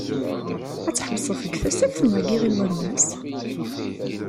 Ad tḥebseḍ deg Tasaft neɣ deg Iɣil n wammas?